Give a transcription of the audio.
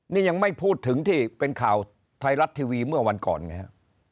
นี่ยังไม่พูดถึงที่เป็นข่าวไทยรัฐทีวีเมื่อวันก่อนไงฮะ